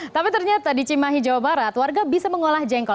tapi ternyata di cimahi jawa barat warga bisa mengolah jengkol